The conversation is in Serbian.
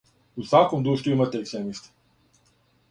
У сваком друштву имате екстремисте.